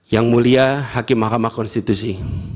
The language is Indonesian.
yang mulia hakim mahkamah konstitusi